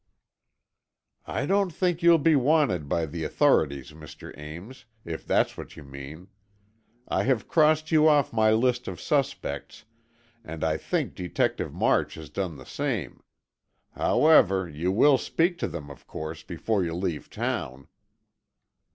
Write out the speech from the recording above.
"I don't think you'll be wanted by the authorities, Mr. Ames, if that's what you mean. I have crossed you off my list of suspects and I think Detective March has done the same. However, you will speak to them, of course, before you leave town."